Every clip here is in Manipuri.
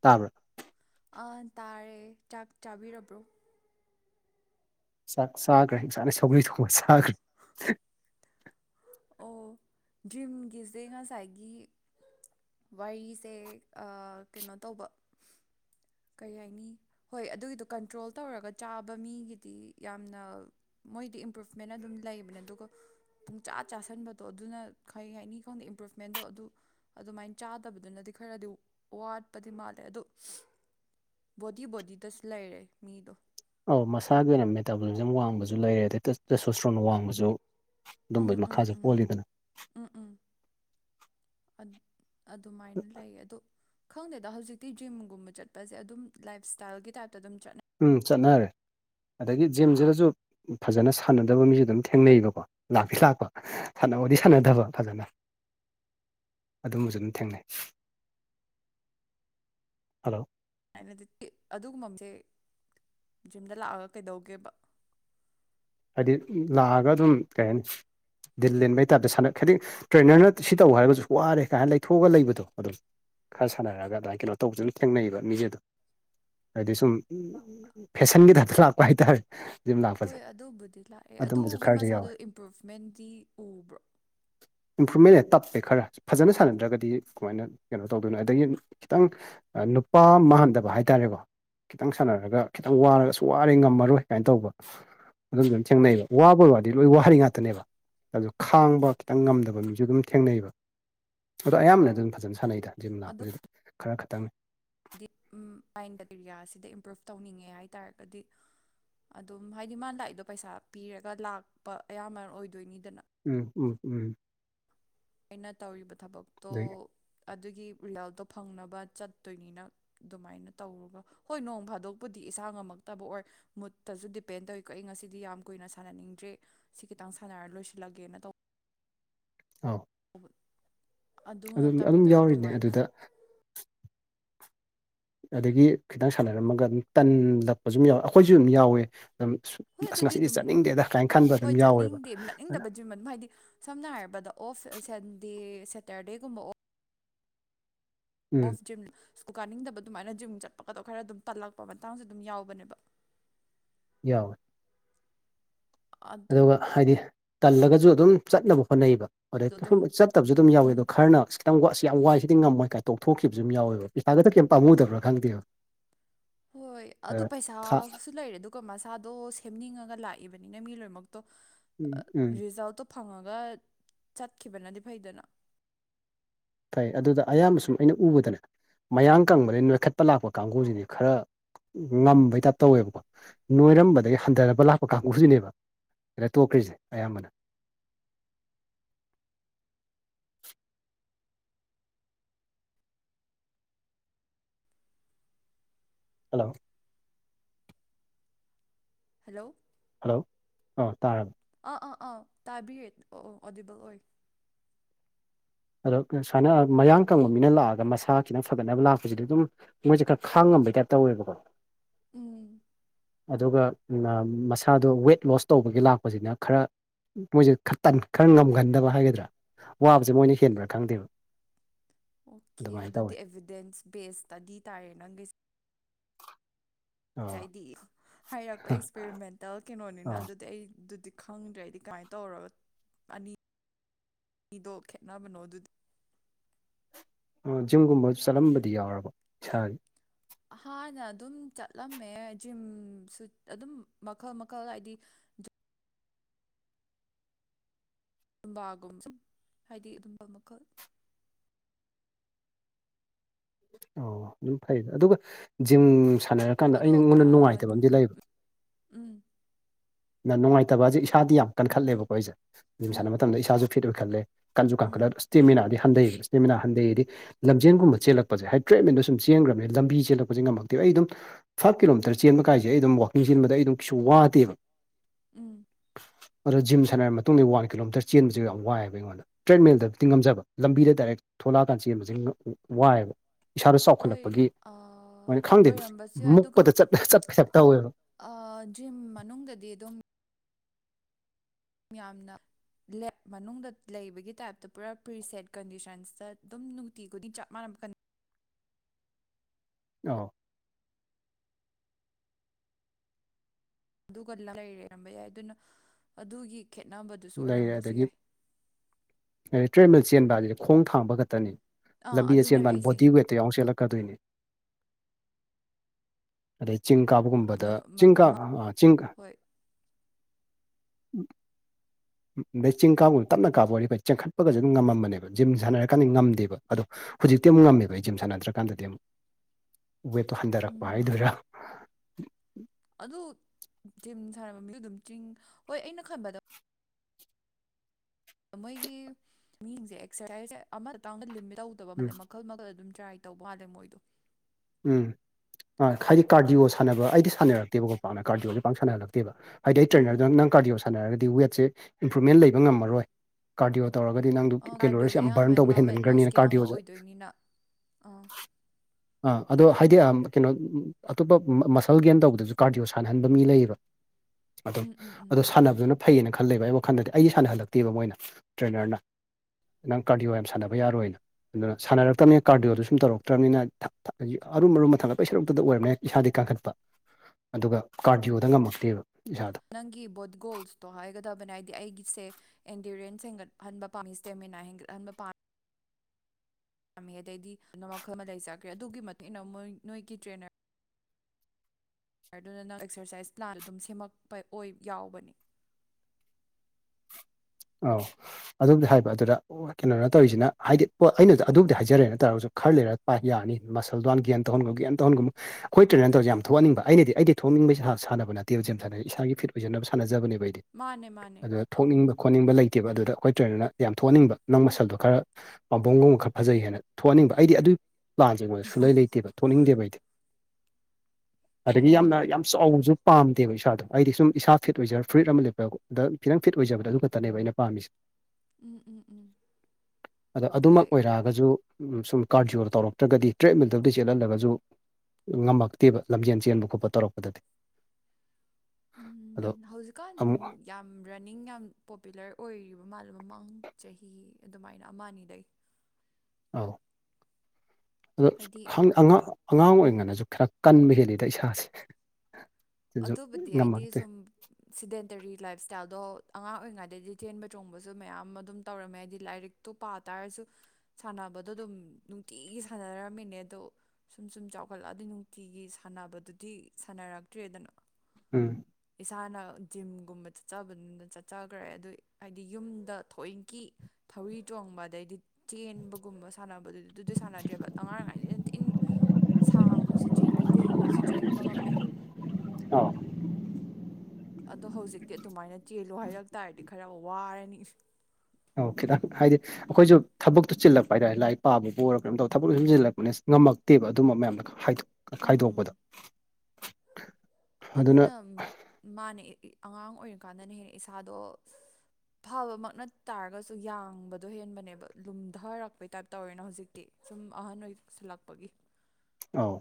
ꯇꯥꯕ꯭ꯔꯥ ꯑꯥ ꯇꯥꯔꯦ ꯆꯥꯛ ꯆꯥꯕꯤꯔꯕ꯭ꯔꯣ ꯆꯥꯛ ꯆꯥꯈ꯭ꯔꯦ ꯉꯁꯥꯏꯅ ꯁꯧꯒ꯭ꯔꯤ ꯊꯣꯡꯕ ꯆꯥꯈ꯭ꯔꯦ ꯑꯣ ꯖꯤꯝꯒꯤꯖꯤ ꯉꯁꯥꯏꯒꯤ ꯋꯥꯔꯤꯁꯦ ꯀꯩꯅꯣ ꯇꯧꯕ ꯀꯔꯤ ꯍꯥꯏꯅꯤ ꯍꯣꯏ ꯑꯗꯨꯒꯤꯗꯨꯣ ꯀꯟꯇ꯭ꯔꯣꯜ ꯇꯧꯔꯒ ꯆꯥꯕ ꯃꯤꯒꯤꯗꯤ ꯌꯥꯝꯅ ꯃꯣꯏꯗꯤ ꯏꯝꯄ꯭ꯔꯨꯚꯃꯦꯟ ꯑꯗꯨꯝ ꯂꯩꯕꯅꯦ ꯑꯗꯨꯒ ꯄꯨꯡ ꯆꯥ ꯆꯥꯥꯁꯟꯕꯗꯣ ꯑꯗꯨꯅ ꯀꯩ ꯍꯥꯏꯅꯤ ꯈꯪꯗꯦ ꯏꯝꯄ꯭ꯔꯨꯚꯃꯦꯟꯗꯣ ꯑꯗꯨ ꯑꯗꯨꯃꯥꯏꯅ ꯆꯥꯗꯕꯗꯨꯅꯗꯤ ꯈꯔꯗꯤ ꯋꯥꯠꯄꯗꯤ ꯃꯥꯜꯂꯦ ꯑꯗꯣ ꯕꯣꯗꯤ ꯕꯣꯗꯤꯗꯁꯨ ꯂꯩꯔꯦ ꯃꯤꯗꯣ ꯑꯧ ꯃꯁꯥꯒꯤ ꯑꯣꯏꯅ ꯃꯦꯇꯥꯕꯣꯂꯤꯖꯝ ꯋꯥꯡꯕꯁꯨ ꯂꯩꯔꯦ ꯑꯗꯩ ꯁꯣꯁꯇ꯭ꯔꯣꯟꯅ ꯋꯥꯡꯕꯁꯨ ꯎꯝ ꯑꯗꯨꯝꯕꯩ ꯎꯝ ꯃꯈꯥꯁꯨ ꯎꯝ ꯄꯣꯜꯂꯤꯗꯅ꯫ ꯎꯝ ꯎꯝ ꯑꯗꯨꯃꯥꯏꯅ ꯂꯩ ꯑꯗꯣ꯫ ꯈꯪꯗꯦꯗ ꯍꯧꯖꯤꯛꯇꯤ ꯖꯤꯝꯒꯨꯝꯕ ꯆꯠꯄꯁꯦ ꯑꯗꯨꯝ ꯂꯥꯏꯞꯁ꯭ꯇꯥꯏꯜꯒꯤ ꯇꯥꯏꯞꯇ ꯑꯗꯨꯝ ꯆꯠꯅꯩ꯫ ꯎꯝ ꯆꯠꯅꯔꯦ꯫ ꯑꯗꯒꯤ ꯖꯤꯝꯁꯤꯗꯁꯨ ꯐꯖꯅ ꯁꯥꯟꯅꯗꯕ ꯃꯤꯁ ꯑꯗꯨꯝ ꯊꯦꯡꯅꯩꯑꯕꯀꯣ ꯂꯥꯛꯇꯤ ꯂꯥꯛꯄ꯫ ꯁꯥꯟꯅꯕꯗꯤ ꯁꯥꯟꯅꯗ ꯕ ꯐꯖꯅ꯫ ꯑꯗꯨꯝꯕꯁꯨ ꯑꯗꯨꯝ ꯊꯦꯡꯅꯩ ꯍꯜꯂꯣ꯫ ꯍꯥꯏꯅꯗꯤ ꯑꯗꯨꯒꯨꯝꯕꯁꯦ ꯖꯤꯝꯗ ꯂꯥꯛꯑꯒ ꯀꯩꯗꯧꯒꯦꯕ꫰꫰ ꯍꯥꯏꯗꯤ ꯂꯥꯛꯑꯒ ꯑꯗꯨꯝ ꯀꯩ ꯍꯥꯏꯅꯤ ꯗꯤꯜ ꯂꯤꯟꯕꯩꯇꯥꯥꯕꯗ ꯁꯥꯟꯅ ꯈꯥꯗꯤ꯫ ꯇ꯭ꯔꯦꯅꯔꯅ ꯁꯤ ꯇꯧ ꯍꯥꯏꯒꯁꯨ ꯋꯥꯔꯦ ꯀꯥꯏꯅ ꯂꯩꯊꯣꯛꯑꯒ ꯂꯩꯕꯗꯣ ꯑꯗꯨꯝ ꯈꯔ ꯁꯥꯟꯅꯔꯒ ꯑꯗꯨꯃꯥꯏꯅ ꯀꯩꯅꯣ ꯇꯧꯕꯁꯨ ꯑꯗꯨꯝ ꯊꯦꯡꯅꯩꯌꯦꯕ ꯃꯤꯁꯦꯗꯣ ꯍꯥꯏꯗꯤ ꯁꯨꯝ ꯐꯦꯁꯟꯒꯤ ꯇꯥꯏꯞꯇ ꯂꯥꯛꯄ ꯍꯥꯏꯇꯥꯔꯦ ꯖꯤꯝ ꯂꯥꯛꯄꯁꯦ ꯍꯣꯏ ꯑꯗꯨꯕꯨꯗꯤ ꯂꯥꯛꯑꯦ ꯑꯗꯣ ꯑꯗꯨꯝꯕꯁꯨ ꯃꯤ ꯈꯔꯁꯨ ꯃꯁꯥꯗꯣ ꯌꯥꯎꯋꯦ ꯏꯝꯄ꯭ꯔꯨꯚꯃꯦꯟꯇꯗꯤ ꯎꯕ꯭ꯔꯣ ꯏꯝꯄ꯭ꯔꯨꯚꯃꯦꯟꯂꯦ ꯇꯞꯄꯦ ꯈꯔ ꯐꯖꯅ ꯁꯥꯟꯅꯗ꯭ꯔꯒꯗꯤ ꯀꯃꯥꯏꯅ ꯀꯩꯅꯣ ꯇꯧꯗꯣꯏꯅꯣ ꯑꯗꯒꯤ ꯈꯤꯇꯪ ꯑ ꯅꯨꯄꯥ ꯃꯍꯟꯗꯕ ꯍꯥꯏꯇꯥꯔꯦꯀꯣ ꯈꯤꯇꯪ ꯁꯥꯟꯅꯔꯒ ꯈꯤꯇꯪ ꯋꯥꯔꯒꯁꯨ ꯋꯥꯔꯦ ꯉꯝꯃꯔꯣꯏ ꯀꯥꯏꯅ ꯇꯧꯕ ꯑꯗꯨꯝꯁꯨ ꯑꯗꯨꯝ ꯊꯦꯡꯅꯩꯕ ꯋꯥꯕ ꯋꯥꯗꯤ ꯂꯣꯏ ꯋꯥꯔꯤ ꯉꯥꯛꯇꯅꯦꯕ ꯑꯗꯨ ꯈꯥꯡꯕ ꯈꯤꯇꯪ ꯉꯝꯗꯕ ꯃꯤꯁꯨ ꯑꯗꯨꯝ ꯊꯦꯡꯅꯩꯑꯕ ꯑꯗꯣ ꯑꯌꯥꯝꯕꯅ ꯑꯗꯨꯝ ꯐꯖꯟ ꯁꯥꯟꯅꯩꯗ ꯖꯤꯝ ꯂꯥꯛꯄꯁꯤꯗ ꯈꯔ ꯈꯇꯪ ꯍꯥꯏꯗꯤ ꯎꯝ ꯃꯥꯏꯟ ꯕꯦꯛꯇꯔꯤꯌꯥꯁꯤꯗ ꯏꯝꯄ꯭ꯔꯨꯞ ꯇꯧꯅꯤꯡꯉꯦ ꯍꯥꯏꯇꯥꯥꯔꯒꯗꯤ꯫ ꯑꯗꯨꯝ ꯍꯥꯏꯗꯤ ꯃꯥꯅ ꯂꯥꯛꯏꯗꯣ ꯄꯩꯁꯥ ꯄꯤꯔꯒ ꯂꯥꯛꯄ ꯑꯌꯥꯝꯕ ꯑꯣꯏꯗꯣꯏꯅꯤꯗꯅ꯫ ꯎꯝ ꯎꯝ ꯎꯝ꯫ ꯑꯩꯅ ꯇꯧꯔꯤꯕ ꯊꯕꯛꯇꯣ ꯑꯗꯒꯤ ꯑꯗꯨꯒꯤ [unintelligible] ꯐꯪꯅꯕ ꯆꯠꯇꯣꯏꯅꯤꯅ꯫ ꯑꯗꯨꯃꯥꯏꯅ ꯇꯧꯔꯒ ꯍꯣꯏ ꯅꯣꯡ ꯐꯥꯗꯣꯛꯄꯨꯗꯤ ꯏꯁꯥ ꯉꯝꯃꯛꯇꯕ ꯑꯣꯔ꯫ ꯃꯨꯠꯇꯁꯨ ꯗꯤꯄꯦꯟ ꯇꯧꯋꯤꯀꯣ ꯑꯩ ꯉꯁꯤꯗꯤ ꯌꯥꯝ ꯀꯨꯏꯅ ꯁꯥꯟꯅꯅꯤꯡꯗ꯭ꯔꯦ ꯁꯤ ꯈꯤꯇꯪ ꯁꯥꯟꯅꯔ ꯂꯣꯏꯁꯤꯜꯂꯒꯦꯅ ꯇꯧ꯫ ꯑꯧ ꯑꯗꯨ ꯑꯗꯨꯝ ꯅꯠꯇꯕꯤꯗ ꯌꯥꯎꯔꯤꯅꯦ ꯑꯗꯨꯃꯥꯏꯅ꯫ ꯑꯗꯨꯗ ꯑꯗꯒꯤ ꯈꯤꯇꯪ ꯁꯥꯟꯅꯔꯝꯃꯒ ꯑꯗꯨꯝ ꯇꯜꯂꯛꯄꯁꯨꯝ ꯌꯥꯎꯋꯦ ꯑꯩꯈꯣꯏꯁꯨ ꯑꯗꯨꯝ ꯌꯥꯎꯋꯦ ꯑꯗꯨꯝ ꯁꯨꯠ ꯍꯣꯏ ꯑꯗꯨꯗꯤ ꯑꯗꯨꯝ ꯍꯣꯏ ꯌꯥꯎꯋꯦꯕ ꯆꯠꯅꯤꯡꯗꯦ ꯆꯠꯅꯤꯡꯗꯕ ꯖꯤꯝ ꯑꯗꯨꯝ ꯍꯥꯏꯗꯤ꯫ ꯁꯝꯅ ꯍꯥꯏꯔꯕꯗ ꯑꯣꯐ ꯁ ꯟ ꯁꯟꯗꯦ ꯁꯦꯇꯔꯗꯦꯒꯨꯝꯕ ꯑꯣꯐ꯫ ꯎꯝ ꯑꯣꯐ ꯖꯤꯝ ꯁꯀꯨꯜ ꯀꯅꯤꯡꯗꯕ ꯑꯗꯨꯃꯥꯏꯅ ꯖꯤꯝ ꯆꯠꯄꯒꯗꯣ ꯈꯔ ꯑꯗꯨꯝ ꯇꯜꯂꯛꯄ ꯃꯇꯥꯡꯁꯨ ꯑꯗꯨꯝ ꯌꯥꯎꯕꯅꯦꯕ꯫ ꯌꯥꯎꯏ꯫ ꯑꯗꯨꯗꯣ ꯑꯗꯨꯒ ꯍꯥꯏꯗꯤ ꯇꯜꯂꯒꯁꯨ ꯑꯗꯨꯝ ꯆꯠꯅꯕ ꯍꯣꯠꯅꯩꯑꯦꯕ꯫ ꯑꯗꯩ ꯑꯗꯨꯝ ꯁꯨꯝ ꯆꯠꯇꯕꯁꯨ ꯑꯗꯨꯝ ꯌꯥꯎꯋꯦ ꯎꯝ ꯑꯗꯣ ꯈꯔꯅ꯫ ꯇꯃꯒꯣ ꯑꯁ ꯌꯥꯝ ꯋꯥꯏ ꯁꯤꯗꯤ ꯉꯝꯃꯣꯏ ꯀꯥꯏ ꯇꯣꯛꯊꯣꯛꯈꯤꯕꯁꯨ ꯌꯥꯎꯋꯦꯕ ꯄꯩꯁꯥꯗ ꯀꯩꯝ ꯄꯥꯃꯨꯗꯕ꯭ꯔ ꯈꯪꯗꯦꯕ꯫ ꯍꯣꯏ ꯑ ꯑꯗꯨ ꯊꯥ ꯄꯩꯁꯥꯁꯨ ꯂꯩꯔꯦ ꯑꯗꯨ꯫ ꯀꯃꯁꯥꯗꯣ ꯁꯦꯝꯅꯤꯡꯉꯒ ꯂꯥꯛꯏꯕꯅꯤꯅ ꯃꯤ ꯂꯣꯏꯅꯃꯛꯇꯣ ꯎꯝ ꯑ ꯎꯝ ꯔꯤꯖꯜꯠꯇꯣ꯫ ꯐꯪꯉꯒ ꯆꯠꯈꯤꯕꯅꯗꯤ ꯐꯩꯗꯅ꯫ ꯐꯩ ꯑꯗꯨꯗ ꯑꯌꯥꯝꯕ ꯁꯨꯝ ꯑꯩꯅ ꯎꯕꯗꯅꯦ ꯃꯌꯥꯡ ꯀꯪꯕꯗ ꯅꯣꯏꯈꯠꯄ ꯂꯥꯛꯄ ꯀꯥꯡꯒꯁꯤꯗꯤ ꯈꯔ꯫ ꯉꯝꯕꯩ ꯇꯥꯏꯞ ꯇꯧꯋꯦꯕꯀꯣ ꯅꯣꯏꯔꯝꯕꯗꯒꯤ ꯍꯟꯊꯅꯕ ꯂꯥꯛꯄ ꯀꯥꯡꯕꯨꯁꯤꯅꯦꯕ꯫ ꯁꯤꯗ ꯇꯣꯛꯈ꯭ꯔꯤꯁꯦ ꯑꯌꯥꯝꯕꯅ꯫ ꯍꯜꯂꯣ꯫ ꯍꯜꯂꯣ꯫ ꯍꯜꯂꯣ ꯑꯥ ꯇꯥꯔꯕ꯫ ꯑꯥ ꯑꯥ ꯑꯥ ꯇꯥꯕꯤꯌꯦ ꯑꯣ ꯑ ꯑꯣꯗꯤꯕꯜ ꯑꯣꯏ꯫ ꯑꯗꯣ ꯁꯨꯃꯥꯏꯅ ꯃꯌꯥꯡ ꯀꯪꯕ ꯃꯤꯅ ꯂꯥꯛꯑꯒ ꯃꯁꯥ ꯈꯤꯇꯪ ꯐꯒꯠꯅꯕ ꯂꯥꯛꯄꯁꯤꯗꯤ ꯑꯗꯨꯝ꯫ ꯃꯣꯏꯁꯦ ꯈꯔ ꯈꯥꯡꯉꯝꯕꯩꯇꯥꯏꯞ ꯇꯧꯋꯦꯕꯀꯣ꯫ ꯎꯝ꯫ ꯑꯗꯨꯒ ꯃꯁꯥꯗꯣ ꯋꯦꯠ ꯂꯣꯁ ꯇꯧꯕꯒꯤ ꯂꯥꯛꯄꯁꯤꯅ ꯈꯔ꯫ ꯃꯣꯏꯁꯦ ꯈꯔ ꯇꯟ ꯈꯔ ꯉꯝꯍꯟꯗꯕ ꯍꯥꯏꯒꯗ꯭ꯔꯥ ꯋꯥꯕꯁꯦ ꯃꯣꯏꯅ ꯍꯦꯟꯕ꯭ꯔꯥ ꯈꯪꯗꯦꯕ꯫ ꯑꯣꯀꯦ ꯑꯗꯨꯃꯥꯏꯅ ꯑꯗꯨꯗꯤ ꯇꯧꯋꯦ ꯑꯦꯕꯤꯗꯦꯟꯁ ꯕꯦꯁꯇꯗꯤ ꯇꯥꯔꯦ ꯅꯪꯒꯤ ꯑꯥ ꯉꯁꯥꯏꯗꯤ ꯍꯥꯏꯔꯛꯄ ꯑꯦꯛꯁꯄꯦꯔꯤꯃꯦꯟꯇꯦꯜ ꯀꯩꯅꯣꯅꯤꯅ ꯑꯥ ꯑꯗꯨꯗꯤ ꯑꯩ ꯑꯗꯨꯗꯤ ꯈꯪꯗ꯭ꯔꯦꯗꯤ ꯀꯃꯥꯏꯅ ꯇꯧꯔꯒ ꯑꯅꯤ ꯑꯅꯤꯗꯣ ꯈꯦꯠꯅꯕꯅꯣ ꯑꯗꯨꯗꯤ ꯑꯝ ꯖꯤꯝꯒꯨꯝꯕ ꯆꯠꯂꯝꯕꯗꯤ ꯌꯥꯎꯔꯕ ꯏꯁꯥꯒꯤ ꯍꯥꯟꯅ ꯑꯗꯨꯝ ꯆꯠꯂꯝꯃꯦ ꯖꯤꯝꯁꯨ ꯑꯗꯨꯝ ꯃꯈꯜ ꯃꯈꯜ ꯍꯥꯏꯗꯤ [unintelligible] ꯖꯨꯨꯝꯕꯥꯒꯨꯝ ꯁꯨꯝ ꯍꯥꯏꯗꯤ ꯑꯗꯨꯨꯝꯕ ꯃꯈꯜ ꯑꯣ ꯑꯗꯨꯝ ꯐꯩ ꯑꯗꯨꯒ ꯖꯤꯝ ꯁꯥꯟꯅꯔꯀꯥꯟꯗ ꯑꯗꯣ ꯑꯩꯅꯉꯣꯟꯗ ꯅꯨꯡꯉꯥꯏꯇꯕ ꯑꯃꯗꯤ ꯑꯗꯨꯝ ꯂꯩꯌꯦꯕ ꯎꯝ ꯌꯥꯝ ꯅꯨꯡꯉꯥꯏꯇꯕꯁꯦ ꯏꯁꯥꯗꯤ ꯌꯥꯝ ꯀꯟꯈꯠꯂꯦꯕꯀꯣ ꯑꯩꯁꯦ ꯖꯤꯝ ꯎꯝ ꯁꯥꯟꯅꯕ ꯃꯇꯝꯗ ꯏꯁꯥꯁꯨ ꯐꯤꯠ ꯑꯣꯏꯈꯠꯂꯦ꯫ ꯀꯥꯡꯖꯨ ꯀꯥꯡꯈꯠꯂ ꯎꯝ ꯏꯁꯇꯦꯃꯤꯅꯥꯗꯤ ꯍꯟꯊꯩ ꯏꯁꯇꯦꯃꯤꯅꯥ ꯍꯟꯊꯩꯌꯦꯗꯤ꯫ ꯂꯝꯖꯦꯟꯒꯨꯝꯕ ꯆꯦꯜꯂꯛꯄꯦ ꯁꯦ ꯍꯥꯏꯐꯦꯠꯃꯤꯟꯗ ꯁꯨꯝ ꯆꯦꯟꯈ꯭ꯔꯕꯅꯤ ꯂꯝꯕꯤ ꯆꯦꯜꯂꯛꯄꯁꯦ ꯉꯝꯃꯛꯇꯦ ꯑꯩ ꯑꯗꯨꯝ꯫ ꯐꯥꯏꯚ ꯀꯤꯂꯣꯃꯤꯇꯔ ꯆꯦꯟꯕ ꯀꯥꯏꯁꯦ ꯑꯩ ꯑꯗꯨꯝ ꯋꯥꯋꯀꯤꯡ ꯆꯦꯟꯕꯗ ꯑꯩ ꯑꯗꯨꯝ ꯀꯩꯁꯨ ꯋꯥꯗꯦꯕ꯫ ꯎꯝ꯫ ꯑꯗꯣ ꯖꯤꯝ ꯁꯥꯟꯅꯔꯕ ꯃꯇꯨꯡꯗ ꯋꯥꯟ ꯀꯤꯂꯣꯃꯤꯇꯔ ꯆꯦꯟꯕꯁꯨ ꯌꯥꯝ ꯋꯥꯏꯑꯕ ꯑꯩꯉꯣꯟꯗ꯫ ꯇ꯭ꯔꯦꯠꯃꯦꯜꯗꯕꯨꯗꯤ ꯉꯝꯖꯕ ꯂꯝꯕꯤꯗ ꯗꯥꯏꯔꯦꯛ ꯊꯣꯛꯣꯂꯛꯑꯀꯥꯟ ꯆꯦꯟꯕꯁ ꯋꯥꯏꯑꯦꯕ꯫ ꯏꯁꯥꯗ ꯍꯣꯏ ꯆꯥꯎꯈꯠꯂꯛꯄꯒꯤ ꯃꯣꯏꯅ ꯈꯪꯗꯦ ꯑꯣꯏꯔꯝꯕꯁꯨ ꯌꯥꯏ ꯑꯗꯨꯒ ꯃꯨꯛꯄꯗ ꯆꯠꯄ ꯆꯠꯄ ꯆ ꯇꯧꯋꯦꯕ꯫ ꯖꯤꯝ ꯃꯅꯨꯡꯗꯗꯤ ꯑꯗꯨꯝ꯫ ꯃꯤꯌꯥꯝꯅ ꯃꯅꯨꯡꯗ ꯂꯩꯕꯒꯤ ꯇꯥꯏꯞꯇ ꯄꯨꯔꯥ ꯄ꯭ꯔꯤꯁꯦꯠ ꯀꯟꯗꯤꯁꯟꯁꯇ ꯑꯗꯨꯝ ꯅꯨꯡꯇꯤ ꯈꯨꯗꯤꯡ ꯆꯞ ꯃꯥꯟꯅꯕ ꯑ ꯑꯗꯨꯒ ꯂꯩꯔꯔꯝꯕ ꯌꯥꯏ ꯑꯗꯨꯅ ꯑꯗꯨꯒꯤ ꯈꯦꯠꯅꯕꯗꯤ ꯂꯩꯔꯦ ꯑꯗꯒꯤ ꯇ꯭ꯔꯦꯟꯃꯜ ꯆꯦꯟꯕ ꯍꯥꯏꯁꯤꯗꯤ ꯈꯣꯡ ꯊꯥꯡꯕ ꯈꯛꯇꯅꯤ ꯑꯥ ꯂꯝꯕꯤꯗ ꯑꯗꯨꯅꯦ ꯆꯦꯟꯕ ꯍꯥꯏꯁꯦ ꯕꯣꯗꯤ ꯋꯦꯠꯇ ꯌꯥꯎ ꯆꯦꯜꯂꯛꯀꯗꯣꯏꯅꯦ ꯑꯗꯩ ꯆꯤꯡ ꯀꯥꯕꯒꯨꯝꯕꯗ ꯆꯤꯡ ꯀꯥ ꯑꯃ ꯆꯤꯡ ꯍꯣꯏ ꯑꯗꯩ ꯆꯤꯡ ꯀꯥꯞꯕ ꯇꯞꯅ ꯀꯥꯕ ꯋꯥꯔꯤ ꯑꯩ ꯆꯦꯟꯈꯠꯄꯒꯁꯨ ꯑꯗꯨꯝ ꯉꯝꯃꯝꯕꯅꯦꯕ ꯖꯤꯝ ꯁꯥꯟꯅꯔꯀꯥꯟꯗꯤ ꯉꯝꯗꯦꯕ ꯑꯗꯣ ꯍꯧꯖꯤꯛꯇꯤꯨꯛ ꯉꯝꯃꯦꯕ ꯖꯤꯝ ꯁꯥꯟꯅꯗ꯭ꯔꯀꯥꯟꯗꯗꯤꯨꯛ [unintelligible] ꯋꯦꯠꯇꯣ ꯍꯟꯊꯔꯛꯄ ꯎꯝ ꯍꯥꯏꯗꯣꯏꯔꯥ ꯑꯗꯨ ꯖꯤꯝ ꯁꯥꯝꯕ ꯃꯤꯗꯨ ꯑꯗꯨꯝ ꯆꯤꯡ ꯍꯣꯏ ꯑꯩꯅ ꯈꯟꯕꯗ ꯃꯣꯏꯒꯤ ꯃꯤꯡꯁꯦ ꯑꯦꯛꯁꯔꯁꯥꯏꯁꯁꯦ ꯑꯃꯇꯥꯡꯗ ꯂꯤꯃꯤꯠ ꯇꯧꯗꯕ ꯎꯝ ꯃꯥꯜꯂꯦ ꯃꯈꯜ ꯃꯈꯜ ꯑꯗꯨꯝ ꯇ꯭ꯔꯥꯏ ꯇꯧꯕ ꯍꯥꯜꯂꯦ ꯃꯣꯏꯗꯣ ꯎꯝ ꯑ ꯍꯥꯏꯗꯤ ꯀꯥꯔꯗꯤꯌꯣ ꯁꯥꯟꯅꯕ ꯑꯩꯗꯤ ꯁꯥꯟꯅꯔꯛꯇꯦꯕꯀꯣ ꯄꯥꯛꯅ ꯀꯥꯔꯗꯤꯌꯣꯗꯤ ꯄꯥꯛ ꯁꯥꯟꯅꯍꯔꯂꯛꯇꯦꯕ ꯍꯥꯏꯗꯤ ꯑꯩ ꯇ꯭ꯔꯦꯅꯔꯗꯨꯗ ꯎꯝ ꯅꯪ ꯀꯥꯔꯗꯤꯑꯣ ꯁꯥꯟꯅꯔꯗꯤ ꯋꯦꯠꯁꯦ ꯏꯝꯄ꯭ꯔꯨꯃꯦꯟꯕ ꯉꯃꯔꯣꯏ ꯀꯥꯔꯗꯤꯌꯣ ꯇꯧꯔꯒꯗꯤ ꯅꯪꯗꯨ ꯑ ꯀꯦꯂꯣꯔꯤꯁꯦ ꯀꯥꯔꯗꯤꯑꯣꯒꯤ ꯌꯥꯝ ꯕꯔꯟ ꯇꯧꯕ ꯑꯌꯥꯝꯕꯅ ꯋꯦꯠ ꯍꯦꯟꯃꯟꯈ꯭ꯔꯅꯤꯅ ꯂꯣꯁꯀꯤ ꯑꯌꯥꯝꯕ ꯀꯥꯔꯗꯤꯑꯣꯣꯗ ꯑꯣꯏꯗꯣꯏꯅꯤꯅ ꯑꯥ ꯑꯥ ꯑꯗꯣ ꯍꯥꯏꯗꯤ ꯀꯩꯅꯣ ꯑꯇꯣꯞꯄ ꯃꯁꯜ ꯒꯦꯟ ꯇꯧꯕꯗꯁꯨ ꯀꯥꯔꯗꯤꯌꯣ ꯁꯥꯟꯅꯍꯟꯕ ꯃꯤ ꯂꯩꯌꯦꯕ꯭ꯔꯥ ꯑꯗꯨꯝ ꯎꯝ ꯎꯝ ꯎꯝ ꯑꯣ ꯁꯥꯟꯅꯕꯗꯨꯅ ꯐꯩꯌꯦꯅ ꯈꯜꯂꯦꯕ ꯑꯩ ꯋꯥꯈꯜꯗꯗꯤ ꯑꯩ ꯁꯥꯟꯅꯍꯜꯂꯛꯇꯦꯕ ꯃꯣꯏꯅ ꯇ꯭ꯔꯦꯅꯔꯅ ꯅꯪ ꯀꯥꯔꯗꯤꯑꯣ ꯌꯥꯝ ꯁꯥꯟꯅꯕ ꯑꯣ ꯌꯥꯔꯣꯏꯅ ꯑꯗꯨꯅ ꯁꯥꯟꯅꯔꯛꯇꯕꯅꯤꯅ ꯀꯥꯔꯗꯤꯑꯣꯣꯗ ꯁꯨꯝ ꯇꯧꯔꯛꯇ꯭ꯔꯕꯅꯤꯅ ꯑꯔꯨꯝ ꯑꯔꯨꯝꯕ ꯊꯪꯂ ꯄꯩꯁꯥꯔꯨꯛꯇꯗ ꯑꯣꯏꯔꯅꯤꯅꯦ ꯏꯁꯥꯥꯁꯗꯤ ꯀ ꯀꯥꯡꯈꯠꯄ ꯑꯗꯨꯒ ꯀꯥꯔꯖꯤꯌꯣꯗ ꯉꯝꯃꯛꯇꯦꯕ ꯏꯁꯥꯗ ꯅꯪꯒꯤ ꯕꯣꯠꯒꯣꯜꯁꯇꯣ ꯍꯥꯏꯒꯗꯕꯅꯦ ꯍꯥꯏꯗꯤ ꯑꯩꯒꯤꯁꯦ ꯑꯦꯟꯗꯤꯔꯦꯟꯁ ꯍꯦꯟꯒꯠꯍꯟꯕ ꯄꯥꯝꯃꯤ ꯏꯁꯇꯦꯃꯤꯅꯥ ꯍꯦꯟꯒꯠꯍꯟꯕ ꯄꯥꯝꯃꯤ ꯄꯥꯝꯃꯤ ꯑꯗꯩꯗꯤ ꯑꯗꯨꯅ ꯃꯈꯜ ꯑꯃ ꯂꯩ ꯆꯥꯈ꯭ꯔꯦ ꯑꯗꯨꯒꯤ ꯃꯇꯨꯡ ꯏꯟꯅꯣꯏ ꯅꯣꯏꯒꯤ ꯇ꯭ꯔꯦꯅꯔ ꯑꯗꯨꯅ ꯅꯪ ꯑꯦꯛꯁꯔꯁꯥꯏꯁ ꯂꯥꯟ ꯑꯗꯨꯝ ꯁꯦꯝꯃꯛꯄ ꯑꯣꯏ ꯌꯥꯎꯕꯅꯦ ꯑꯥꯎ ꯑꯗꯨꯝꯗꯤ ꯍꯥꯏꯕ ꯑꯗꯨꯗ ꯑꯣ ꯀꯩꯅꯣꯅ ꯇꯧꯔꯤꯁꯤꯅ ꯍꯥꯏꯗꯤ ꯄꯣꯠ ꯑꯩꯅꯁꯨ ꯑꯗꯨꯕꯨꯗꯤ ꯍꯥꯏꯖꯔꯦꯅ ꯇꯧꯔꯒꯁꯨ ꯈꯔ ꯂꯩꯔ ꯄꯠ ꯌꯥꯔꯅꯤ ꯃꯁꯜꯗꯨ ꯍꯟꯅ ꯒ꯭ꯌꯥꯟ ꯇꯧꯍꯟꯒꯅꯨ ꯇꯧꯍꯟꯒꯅꯨ ꯑꯩꯈꯣꯏ ꯇ꯭ꯔꯦꯅꯔ ꯇꯧꯋꯤꯖꯦ ꯌꯥꯝ ꯊꯣꯛꯍꯅꯤꯡꯕ ꯑꯩꯅꯗꯤ ꯑꯩꯗꯤ ꯊꯣꯛꯅꯤꯡꯕꯩ ꯁꯥꯟꯅꯕ ꯅꯠꯇꯦꯕꯦ ꯒꯤꯝ ꯁꯥꯟꯅꯩ ꯏꯁꯥꯒꯤ ꯐꯤꯠ ꯑꯣꯏꯖꯅꯕ ꯁꯥꯟꯅꯖꯕꯅꯦꯕ ꯑꯩꯗꯤ ꯃꯥꯅꯦ ꯃꯥꯅꯦ ꯑꯗꯨꯗ ꯑꯥ ꯊꯣꯛꯅꯤꯡꯕ ꯈꯣꯍꯅꯤꯡꯕ ꯂꯩꯇꯦꯕ ꯑꯗꯨꯗ ꯑꯩꯈꯣꯏ ꯇ꯭ꯔꯦꯅꯔꯅ ꯌꯥꯝ ꯊꯣꯛꯍꯟꯅꯤꯡꯕ ꯅꯪ ꯃꯁꯜꯗꯣ ꯈꯔ ꯄꯥꯝꯕꯨꯡꯒꯨꯝꯕ ꯈꯔ ꯐꯖꯩ ꯍꯥꯏꯅ ꯊꯣꯛꯍꯟꯅꯤꯡꯕ ꯑꯩꯗꯤ ꯑꯗꯨꯏ ꯄ꯭ꯂꯥꯟꯁꯦ ꯑꯩꯉꯣꯟꯗ ꯁꯨꯡꯂꯩ ꯂꯩꯇꯦꯕ ꯊꯣꯛꯅꯤꯡꯗꯦꯕ ꯑꯩꯗꯤ ꯑꯗꯒꯤ ꯌꯥꯝꯅ ꯎꯝ ꯌꯥꯝ ꯆꯥꯎꯁꯨ ꯄꯥꯝꯗꯦꯕ ꯏꯁꯥꯗꯣ ꯑꯩꯗꯤ ꯁꯨꯝ ꯏꯁꯥ ꯐꯤꯠ ꯑꯣꯏꯖꯔ ꯐꯨꯠ ꯑꯃ ꯂ ꯂꯩꯄ ꯈꯤꯇꯪ ꯐꯤꯠ ꯑꯣꯏꯖꯕꯗꯣ ꯑꯗꯨ ꯩꯅ ꯎꯝ ꯎꯝ ꯎꯝ ꯍꯣꯏ ꯑꯖꯨ ꯁꯨꯝ ꯀꯥꯔꯗꯤꯌꯣ ꯇꯧꯔꯛꯇ꯭ꯔꯒꯗꯤ ꯇ꯭ꯔꯦꯠꯃꯦꯜꯗꯕꯗꯤ ꯆꯦꯜꯍꯜꯂꯒꯁꯨ ꯉꯝꯃꯛꯇꯦꯕ ꯂꯝꯖꯦꯟ ꯆꯦꯟꯕ ꯈꯣꯠꯄ ꯇꯧꯔꯛꯄꯗꯗꯤ ꯑꯗꯣ ꯎꯝ ꯍꯧꯖꯤꯛꯀꯥꯟ ꯑꯃꯨꯛ ꯌꯥꯝ ꯔꯟꯅꯤꯡ ꯌꯥꯝ ꯄꯣꯄꯨꯂꯔ ꯑꯣꯏꯔꯤꯕ ꯃꯥꯜꯂꯦ ꯃꯃꯥꯡ ꯆꯍꯤ ꯑꯗꯨꯃꯥꯏꯅ ꯑꯃ ꯑꯅꯤꯗ ꯑꯧ ꯑꯗꯣ ꯍꯥꯏꯗꯤ ꯑꯉꯥꯡ ꯑꯉꯥꯡ ꯑꯣꯏꯔꯤ ꯎꯝ ꯉꯥꯅꯖꯨ ꯈꯔ ꯀꯟꯕ ꯍꯦꯜꯂꯤꯗ ꯏꯁꯥꯁꯦ ꯑꯗꯨꯁꯨ ꯑꯗꯨꯕꯨꯗꯤ ꯑꯩꯗꯤ ꯉꯝꯃꯛꯇꯦ ꯁꯨꯝ ꯁꯤꯗꯦꯟꯇꯔꯤ ꯂꯥꯏꯞ ꯏꯁ꯭ꯇꯥꯏꯜꯗꯣ ꯑꯉꯥꯡ ꯑꯣꯏꯔꯤꯉꯩꯗꯩꯗꯤ ꯆꯦꯟꯕ ꯆꯣꯡꯕꯁꯨ ꯃꯌꯥꯝꯃ ꯑꯗꯨꯝ ꯇꯧꯔꯝꯃꯦ ꯍꯥꯏꯗꯤ ꯂꯥꯏꯔꯤꯛ ꯇꯣ ꯄꯥꯇꯥꯔꯁꯨ ꯁꯥꯟꯅꯕꯗꯣ ꯑꯗꯨꯝ ꯅꯨꯡꯇꯤꯒꯤ ꯁꯥꯟꯅꯔꯝꯃꯤꯅꯦ ꯑꯗꯣ ꯁꯨꯝ ꯁꯨꯝ ꯆꯥꯎꯈꯠꯂꯛꯑꯗꯤ ꯅꯨꯡꯇꯤꯒꯤ ꯁꯥꯟꯅꯕꯗꯨꯗꯤ ꯁꯥꯟꯅꯔꯛꯇ꯭ꯔꯦꯗꯅ ꯎꯝ ꯏꯁꯥꯅ ꯖꯤꯝꯒꯨꯝꯕ ꯆꯠꯆꯕꯗꯨꯅ ꯆꯠꯆꯒꯔꯦ ꯑꯗꯨ ꯍꯥꯏꯗꯤ ꯌꯨꯝꯗ ꯊꯧꯋꯣꯢꯀꯤ ꯊꯧꯔꯤ ꯆꯣꯡꯕ ꯑꯗꯩꯗꯤ ꯆꯦꯟꯕꯒꯨꯝꯕ ꯁꯥꯟꯅꯕꯗꯨꯗꯤ ꯑꯗꯨꯗꯤ ꯁꯥꯟꯅꯗ꯭ꯔꯦꯕ ꯑꯉꯥꯡꯑꯣꯢꯉꯥꯏꯗ ꯇꯤꯟ ꯁꯥꯡꯅꯁꯨ ꯆꯦꯜꯂꯦ ꯀꯨꯏꯅꯁꯨ ꯆꯦꯟꯕ ꯉꯝꯃꯦ ꯑꯧ ꯑꯗꯣ ꯍꯧꯖꯤꯛꯇꯤ ꯑꯗꯨꯃꯥꯏꯅ ꯆꯦꯜꯂꯨ ꯍꯥꯏꯔꯛ ꯇꯥꯔꯗꯤ ꯈꯔ ꯋꯥꯔꯅꯤ ꯑꯧ ꯈꯤꯇꯪ ꯍꯥꯏꯗꯤ ꯑꯩꯈꯣꯏꯖꯨ ꯊꯕꯛꯇꯨ ꯆꯤꯜꯂꯛꯄ ꯍꯥꯏꯇꯔꯦ ꯂꯥꯏꯔꯤꯛ ꯄꯥꯕꯕꯨ ꯑꯣꯏꯔꯣ ꯀꯩꯅꯣꯝ ꯇꯧꯕ ꯊꯕꯛꯇꯨ ꯁꯨꯝ ꯆꯜꯂꯛꯄꯅꯦ ꯉꯝꯃꯛꯇꯦꯕ ꯑꯗꯨꯝꯕ ꯃꯌꯥꯝ ꯍꯥꯏꯗꯣꯛ ꯈꯥꯏꯗꯣꯛꯄꯗ ꯑꯗꯣ ꯅꯪ ꯃꯥꯅꯦ ꯑꯉꯥꯡ ꯑꯣꯏꯔꯤꯀꯥꯟꯗꯅ ꯍꯦꯟꯅ ꯏꯁꯥꯗꯣ ꯐꯕꯃꯛꯅꯠ ꯇꯥꯔꯒꯁꯨ ꯌꯥꯡꯕꯗꯣ ꯍꯦꯟꯕꯅꯦꯕ ꯂꯨꯝꯙꯔꯛꯄꯩ ꯇꯥꯏꯞ ꯇꯧꯔꯦꯅ ꯍꯧꯖꯤꯛ ꯇꯦ ꯁꯨꯝ ꯑꯍꯥꯟ ꯑꯣꯏꯁꯤꯜꯂꯛꯄꯒꯤ ꯑꯧ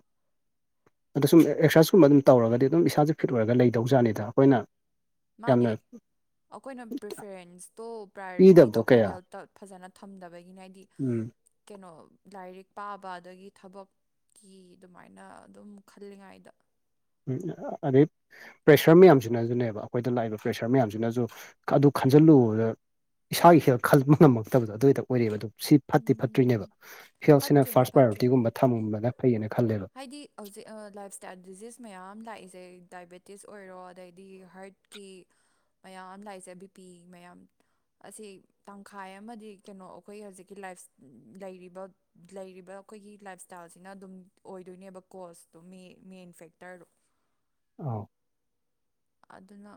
ꯑꯗꯣ ꯁꯨꯝ ꯑꯦꯛꯁꯔꯁꯥꯏꯁꯀꯨꯝꯕ ꯑꯗꯨꯝ ꯇꯧꯔꯒꯗꯤ ꯑꯗꯨꯝ ꯏꯁꯥꯁꯦ ꯐꯤꯠ ꯑꯣꯏꯔꯒ ꯂꯩꯗꯧꯖꯥꯠꯅꯤꯗ ꯑꯩꯈꯣꯏꯅ ꯃꯥꯅꯦ ꯌꯥꯝꯅ ꯑꯩꯈꯣꯏꯅ ꯄ꯭ꯔꯤꯐꯔꯦꯟꯁꯇꯣ ꯄꯤꯗꯕꯗꯣ ꯄ꯭ꯔꯥꯏꯌꯣꯔꯤꯇꯤꯗꯣ ꯑꯩꯈꯣꯏ ꯀꯌꯥ ꯍꯦꯜꯠꯇ ꯐꯖꯅ ꯊꯝꯗꯕꯒꯤꯅꯦ ꯍꯥꯏꯗꯤ ꯎꯝ ꯀꯩꯅꯣ ꯂꯥꯏꯔꯤꯛ ꯄꯥꯕ ꯑꯗꯒꯤ ꯊꯕꯛ ꯀꯤ ꯗꯨꯃꯥꯏꯅ ꯑꯗꯨꯝ ꯈꯜꯂꯤꯉꯥꯏꯗ ꯎꯝ ꯑꯥ ꯑꯥ ꯑꯗꯦ ꯄ꯭ꯔꯦꯁꯔ ꯃꯌꯥꯝꯖꯤꯅꯖꯨꯅꯦꯕ ꯑꯩꯈꯣꯏꯗ ꯂꯥꯛꯏꯕ ꯄ꯭ꯔꯦꯁꯔ ꯃꯌꯥꯝꯖꯤꯅꯖꯨ ꯑꯗꯨ ꯈꯟꯖꯤꯜꯂꯨꯗ ꯏꯁꯥꯒꯤ ꯍꯦꯜ ꯈꯜꯕ ꯉꯝꯃꯛꯇꯕꯗꯣ ꯑꯗꯨꯏꯍꯛꯇ ꯑꯣꯏꯔꯛꯦꯕ ꯑꯗꯨ ꯁꯤ ꯐꯠꯇꯤ ꯎꯝ ꯐꯠꯇ꯭ꯔꯤꯅꯦꯕ ꯍꯦꯜꯇꯁꯤꯅ ꯐꯠꯇ꯭ꯔꯤꯅꯦ ꯐꯥꯔꯁ ꯄ꯭ꯔꯥꯏꯌꯣꯔꯤꯇꯤꯒꯨꯝꯕ ꯊꯝꯃꯝꯕꯒ ꯐꯩꯌꯦꯅ ꯈꯜꯂꯦꯕ ꯑꯩꯗꯤ ꯍꯧꯖꯤꯛ ꯑꯥ ꯂꯥꯏꯞ ꯁ꯭ꯇꯥꯏꯜ ꯗꯤꯖꯤꯁ ꯃꯌꯥꯝ ꯂꯥꯛꯏꯁꯦ ꯗꯥꯏꯕꯦꯇꯤꯁ ꯑꯣꯏꯔꯣ ꯑꯗꯩꯗꯤ ꯍꯥꯔꯠ ꯀꯤ ꯃꯌꯥꯝ ꯂꯥꯛꯏꯁꯦ ꯕꯤ ꯄꯤ ꯃꯌꯥꯝ ꯑꯁꯤ ꯇꯪꯈꯥꯏ ꯑꯃꯗꯤ ꯀꯩꯅꯣ ꯑꯩꯈꯣꯏ ꯍꯧꯖꯤꯛꯀꯤ ꯂꯥꯏꯐ ꯂꯩꯔꯤꯕ ꯂꯩꯔꯤꯕ ꯑꯩꯈꯣꯏꯒꯤ ꯂꯥꯏꯞꯁ꯭ꯇꯥꯏꯜꯁꯤꯅ ꯑꯗꯨꯝ ꯑꯣꯏꯗꯣꯏꯅꯦꯕ ꯀꯣꯁꯇꯣ ꯃꯦ ꯃꯦꯟ ꯐꯦꯛꯇ꯭ꯔꯗꯣ ꯑꯧ ꯑꯗꯨꯅ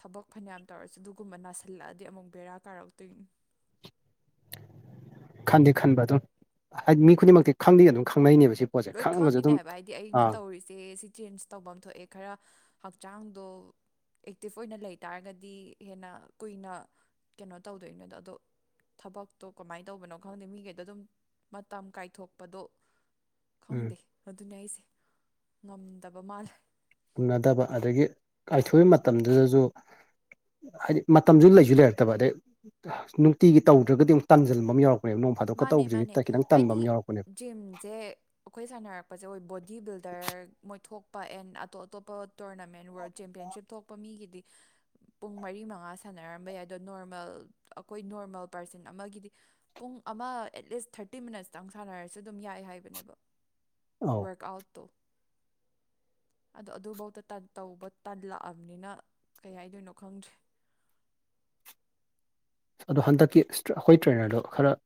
ꯊꯕꯛ ꯐꯅꯌꯥꯝ ꯇꯧꯔꯁꯨ ꯑꯗꯨꯒꯨꯝꯕ ꯅꯥꯁꯤꯜꯂꯛꯑꯗꯤ ꯑꯃꯨꯛ ꯕꯦꯔꯥ ꯀꯥꯔꯛꯇꯣꯏꯅꯤ ꯈꯟꯗꯤ ꯈꯟꯕ ꯑꯗꯨꯝ ꯍꯥꯏꯗꯤ ꯃꯤ ꯈꯨꯗꯤꯡꯃꯛꯇꯤ ꯈꯪꯗꯤ ꯑꯗꯨꯝ ꯈꯪꯅꯩꯅꯦꯕ ꯁꯤ ꯄꯣꯠꯁꯦ ꯂꯣꯏ ꯈꯪꯉꯒꯁꯨ ꯈꯪꯉꯤꯅꯦ ꯑꯗꯨꯝ ꯍꯥꯏꯕ ꯍꯥꯏꯗꯤ ꯑꯩꯅ ꯑꯥ ꯇꯧꯔꯤꯁ ꯆꯦ ꯁꯤ ꯆꯦꯟꯖ ꯇꯧꯕꯝ ꯊꯣꯛꯑꯦ ꯈꯔ ꯍꯛꯆꯥꯡꯗꯣ ꯑꯦꯛꯇꯤꯞ ꯑꯣꯏꯅ ꯂꯩ ꯇꯥꯔꯒꯗꯤ ꯍꯦꯟꯅ ꯀꯨꯏꯅ ꯀꯩꯅꯣ ꯇꯧꯗꯣꯏꯅꯦꯗꯣ ꯑꯗꯣ ꯊꯕꯛꯇꯣ ꯀꯃꯥꯏ ꯇꯧꯕꯅꯣ ꯈꯪꯗꯦ ꯃꯤꯒꯩꯗꯣ ꯑꯗꯨꯝ ꯃꯇꯝ ꯀꯥꯏꯊꯣꯛꯄꯗꯣ ꯎꯝ ꯈꯪꯗꯦ ꯑꯗꯨꯅꯦ ꯑꯩꯁꯦ ꯉꯝꯗꯕ ꯃꯥꯜꯂꯦ ꯎꯅꯗꯕ ꯑꯗꯥꯒꯤ ꯀꯥꯏꯊꯣꯏ ꯃꯇꯝꯗꯨꯗꯥꯖꯨ ꯍꯥꯏꯗꯤ ꯃꯇꯝꯖꯨ ꯂꯩꯖꯨ ꯂꯩꯔꯛꯇꯕ ꯑꯗꯩ ꯅꯨꯡꯇꯤꯒꯤ ꯇꯧꯗ꯭ꯔꯒꯗꯤ ꯑꯃꯨꯛ ꯇꯥꯟꯖꯟꯕ ꯑꯃ ꯌꯥꯎꯔꯛꯄ ꯍꯣꯋꯦ ꯅꯣꯡ ꯐꯥꯗꯣꯛꯀ ꯇꯧꯕꯖꯤꯗꯤ ꯈꯤꯇꯪ ꯇꯟꯕ ꯑꯃ ꯌꯥꯎꯛꯄꯅꯦꯕ ꯖꯤꯝꯖꯦ ꯑꯩꯈꯣꯏ ꯁꯥꯟꯅꯔꯛꯄꯁꯦ ꯑꯣꯏ ꯕꯣꯗꯤ ꯕꯤꯜꯗꯔ ꯃꯣꯏꯊꯣꯛꯄ ꯑꯦꯟ ꯑꯇꯣꯞ ꯑꯇꯣꯞꯄ ꯇꯣꯔꯅꯥꯃꯦꯟ ꯋꯥꯔꯜ ꯆꯦꯝꯄꯤꯌꯟꯁꯤꯞ ꯊꯣꯛꯄ ꯃꯤꯒꯤꯗꯤ ꯄꯨꯡ ꯃꯔꯤ ꯃꯉꯥ ꯁꯥꯟꯅꯔꯝꯕ ꯌꯥꯏ ꯑꯗꯣ ꯅꯣꯔꯃꯦꯜ ꯑꯈꯣꯏ ꯅꯣꯔꯃꯦꯜ ꯄꯥꯔꯁꯟ ꯑꯃꯒꯤꯗꯤ ꯄꯨꯡ ꯑꯃ ꯑꯦꯠꯂꯤꯁ ꯊꯥꯔꯇꯤ ꯃꯤꯅꯠꯁꯇꯪ ꯁꯥꯟꯅꯔꯁꯨ ꯑꯗꯨꯝ ꯌꯥꯏ ꯍꯥꯏꯕꯅꯦꯕ ꯑꯧ ꯋꯥ꯭ꯔꯛ ꯑꯥ꯭ꯎꯠ ꯇꯣ ꯑꯗꯣ ꯑꯗꯨꯕꯧꯗ ꯇꯟ ꯇꯧꯕ ꯇꯜꯂꯛꯑꯕꯅꯤꯅ ꯀꯩ ꯍꯥꯏꯗꯣꯏꯅꯣ ꯈꯪꯗ꯭ꯔꯦ ꯑꯗꯣ ꯍꯟꯗꯛꯀꯤ ꯑꯩꯈꯣꯏ ꯇ꯭ꯔꯦꯅ꯭ꯔꯗꯣ ꯈꯔ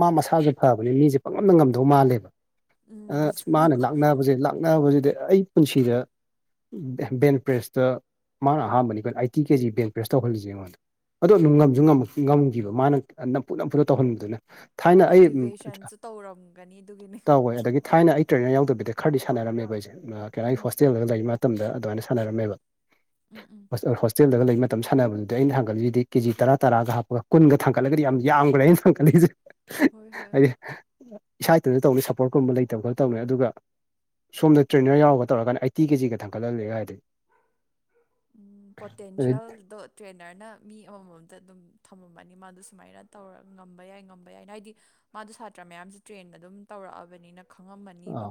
ꯃꯥ ꯃꯁꯥꯥꯖꯨ ꯐꯕꯅꯤꯅ ꯃꯤꯁꯦ ꯄꯡꯉꯝꯗ ꯉꯝꯗꯧ ꯃꯥꯜꯂꯦꯕ ꯑ ꯎꯝ ꯃꯥꯅ ꯂꯥꯛꯅꯕꯖꯦ ꯂꯥꯛꯅꯕꯖꯤꯗꯤ ꯑꯩ ꯄꯨꯟꯁꯤꯗ ꯕꯦꯟ ꯄ꯭ꯔꯦꯁꯇ ꯃꯥꯅ ꯑꯍꯥꯟꯕꯅꯤ ꯀꯩꯅꯣ ꯑꯥꯏꯇꯤ ꯀꯦꯖꯤ ꯕꯦꯟ ꯄ꯭ꯔꯦꯁ ꯇꯧꯍꯜꯂꯤꯁꯦ ꯑꯩꯉꯣꯟꯗ ꯑꯗꯣ ꯑꯗꯨꯝ ꯉꯝꯖꯨ ꯉꯝꯃꯛ ꯉꯝꯒꯤꯕ ꯃꯥꯅ ꯅꯝꯐꯨ ꯅꯝꯐꯨꯗ ꯇꯧꯍꯟꯕꯗꯨꯅ ꯊꯥꯏꯅ ꯑꯩ ꯃꯣꯇꯤꯚꯦꯁꯟꯁꯨ ꯇꯧꯔꯝꯒꯅꯤ ꯑꯗꯨꯒꯤꯅꯦ ꯇꯧꯋꯦ ꯑꯗꯒꯤ ꯊꯥꯏꯅ ꯑꯩ ꯇ꯭ꯔꯦꯅ꯭ꯔ ꯌꯥꯎꯗꯕꯤꯗ ꯈꯔꯗꯤ ꯁꯥꯟꯅꯔꯝꯃꯦꯕ ꯑꯩꯁꯦ ꯀꯩ ꯍꯥꯏ ꯎꯝ ꯍꯣꯁꯇꯦꯜꯗꯒ ꯂꯩꯔꯤ ꯃꯇꯝꯗ ꯑꯗꯨꯃꯥꯏꯅ ꯁꯥꯟꯅꯔꯝꯃꯦꯕ ꯎꯝ ꯎꯝ ꯍꯣꯁꯇꯦꯜꯗꯒ ꯂꯩꯕ ꯃꯇꯝ ꯁꯥꯟꯅꯕꯗꯨꯗꯤ ꯑꯩꯅ ꯊꯥꯡꯒꯠꯂꯤꯖꯤꯗꯤ ꯀꯦꯖꯤ ꯇꯔꯥ ꯇꯔꯥꯒ ꯍꯥꯞꯄꯒ ꯀꯨꯟꯒ ꯊꯥꯡꯒꯠꯂꯒꯗꯤ ꯌꯥꯝ ꯌꯥꯝꯒ꯭ꯔꯦ ꯑꯩꯅ ꯊꯥꯡꯒꯠꯂꯤꯁꯦ ꯍꯣꯏ ꯍꯣꯏ ꯍꯥꯏꯗꯤ ꯍꯣꯏ ꯏꯁꯥ ꯏꯇꯟꯗ ꯇꯧꯅꯤ ꯁꯞꯄꯣꯔꯠꯀꯨꯝꯕ ꯂꯩꯇꯕ ꯈꯔ ꯇꯧꯕꯅꯤ ꯑꯗꯨꯒ ꯁꯣꯝꯗ ꯇ꯭ꯔꯦꯅ꯭ꯔ ꯌꯥꯎꯔꯕ ꯇꯧꯔꯒꯅ ꯑꯥꯏꯇꯤ ꯀꯦꯖꯤꯒ ꯊꯥꯡꯒꯠꯍꯜꯂꯦ ꯍꯥꯏꯔꯗꯤ ꯎꯝ ꯄꯣꯇꯦꯟꯁꯤꯌꯦꯜ ꯗꯣꯠ ꯇ꯭ꯔꯦꯅ꯭ꯔꯅ ꯃꯤ ꯑꯃꯝꯃꯝꯇ ꯑꯗꯨꯝ ꯊꯝꯃꯝꯃꯅꯤ ꯃꯥꯗꯣ ꯁꯨꯃꯥꯏꯅ ꯇꯧꯔ ꯉꯝꯕ ꯌꯥꯏ ꯉꯝꯕ ꯌꯥꯏꯅ ꯍꯥꯏꯗꯤ ꯃꯥꯗꯣ ꯁꯥꯇ꯭ꯔ ꯃꯌꯥꯝꯁꯨ ꯇ꯭ꯔꯦꯟ ꯑꯗꯨꯝ ꯇꯧꯔꯛꯑꯕꯅꯤꯅ ꯈꯪꯉꯝꯃꯅꯤꯕ ꯑꯥꯎ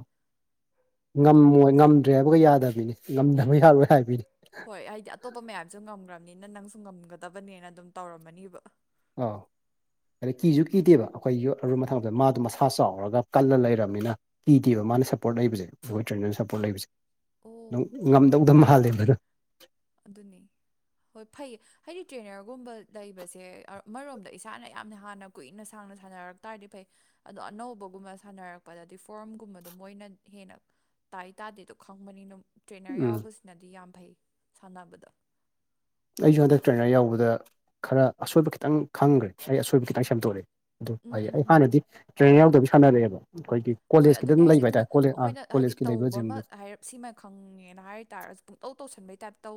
ꯑꯗꯨꯝ ꯉꯝꯃꯣꯏ ꯉꯝꯗ꯭ꯔꯦ ꯍꯥꯏꯕꯒ ꯌꯥꯗꯕꯤꯅꯤ ꯉꯝꯗꯕ ꯌꯥꯔꯣꯏ ꯍꯥꯏꯕꯤꯅꯤ ꯍꯣꯏ ꯍꯥꯏꯗꯤ ꯑꯇꯣꯞꯄ ꯃꯌꯥꯝꯁꯨ ꯉꯝꯒ꯭ꯔꯕꯅꯤꯅ ꯅꯪꯁꯨ ꯉꯝꯒꯗꯕꯅꯦꯅ ꯑꯗꯨꯝ ꯇꯧꯔꯝꯃꯅꯤꯕ ꯑꯥꯎ ꯑꯗꯩ ꯀꯤꯁꯨ ꯀꯤꯗꯦꯕ ꯑꯩꯈꯣꯏ ꯌꯣꯠ ꯑꯔꯨꯝꯕ ꯊꯥꯡꯒꯠꯄꯗ ꯃꯥꯗꯣ ꯃꯁꯥ ꯆꯥꯎꯔꯒ ꯀꯜꯂ ꯂꯩꯔꯝꯅꯤꯅ ꯀꯤꯗꯦꯕ ꯃꯥꯅ ꯁꯞꯄꯣꯔꯠ ꯂꯩꯕꯁꯦ ꯑꯈꯣꯏ ꯇ꯭ꯔꯦꯅ꯭ꯔꯅ ꯁꯞꯄꯣꯔꯠ ꯂꯩꯕꯁꯦ ꯑꯗꯨꯝ ꯑꯣ ꯍꯣꯏ ꯉꯝꯗꯧꯗ ꯃꯥꯜꯂꯦꯕ ꯑꯗꯨꯅ ꯑꯗꯨꯅꯤ ꯍꯣꯏ ꯐꯩ ꯍꯥꯏꯗꯤ ꯇ꯭ꯔꯦꯅꯔꯒꯨꯝꯕ ꯂꯩꯕꯁꯦ ꯑꯃꯔꯣꯝꯗ ꯏꯁꯥꯅ ꯌꯥꯝꯅ ꯍꯥꯟꯅ ꯀꯨꯏꯅ ꯁꯥꯡꯅ ꯁꯥꯟꯅꯔꯛ ꯇꯥꯔꯗꯤ ꯐꯩ ꯑꯗꯣ ꯑꯅꯧꯕꯒꯨꯝꯕ ꯁꯥꯟꯅꯔꯛꯄꯗꯗꯤ ꯐꯣꯔꯝꯒꯨꯝꯕꯗꯣ ꯃꯣꯏꯅ ꯍꯦꯟꯅ ꯇꯥꯏ ꯇꯥꯗꯦꯗꯣ ꯈꯪꯕꯅꯤꯅ ꯇ꯭ꯔꯦꯅ꯭ꯔ ꯎꯝ ꯌꯥꯎꯕꯁꯤꯅꯗꯤ ꯌꯥꯝ ꯐꯩ ꯁꯥꯟꯅꯕꯗ ꯑꯩꯖꯨ ꯍꯟꯗꯛ ꯇ꯭ꯔꯦꯅ꯭ꯔ ꯌꯥꯎꯕꯗ ꯈꯔ ꯑꯁꯣꯏꯕ ꯈꯤꯇꯪ ꯈꯪꯒ꯭ꯔꯦ ꯑꯩ ꯑꯁꯣꯏꯕ ꯈꯤꯇꯪ ꯁꯦꯝꯗꯣꯔꯛꯑꯦ ꯑꯗꯨ ꯎꯝ ꯐꯩꯌꯦ ꯎꯝ ꯑꯩ ꯎꯝ ꯍꯥꯟꯅꯗꯤ ꯇ꯭ꯔꯦꯅ꯭ꯔ ꯌꯥꯎꯗꯕꯤ ꯁꯥꯟꯅꯔꯛꯑꯦꯕ ꯑꯩꯈꯣꯏꯒꯤ ꯍꯣꯏ ꯀꯣꯂꯦꯖꯀꯤꯗ ꯑꯗꯨꯅꯦ ꯑꯗꯨꯝ ꯍꯥꯏꯁꯦ ꯂꯩꯕ ꯑꯗꯨꯅ ꯍꯥꯏꯇꯥꯔꯦ ꯀꯣꯂꯦꯖ ꯑꯥ ꯑꯩꯈꯣꯏꯅ ꯍꯥꯏꯗꯤ ꯀꯣꯂꯦꯖꯀꯤ ꯂꯩꯕ ꯇꯧꯕ ꯖꯤꯝꯗ ꯑꯃ ꯍꯥꯏꯔꯞ ꯁꯤꯃ ꯈꯪꯉꯦꯅ ꯍꯥꯏ ꯇꯥꯔꯁꯨ ꯄꯨꯡꯇꯧ ꯇꯧꯁꯟꯕꯩ ꯇꯥꯏꯞ ꯇꯧꯕ